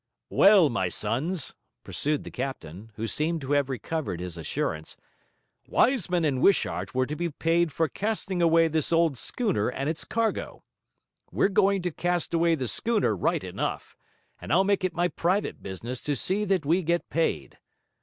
'Well, my sons,' pursued the captain, who seemed to have recovered his assurance, 'Wiseman and Wishart were to be paid for casting away this old schooner and its cargo. We're going to cast away the schooner right enough; and I'll make it my private business to see that we get paid.